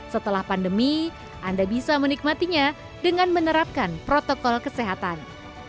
setelah pandemi anda bisa menikmatinya dengan menerapkan protokol kesehatan